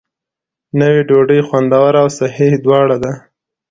نوې ډوډۍ خوندوره او صحي دواړه ده.